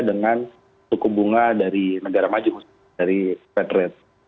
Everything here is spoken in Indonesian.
dengan suku bunga dari negara maju dari fed rate